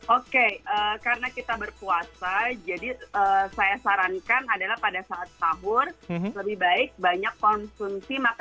oke karena kita berpuasa jadi saya sarankan adalah pada saat sahur lebih baik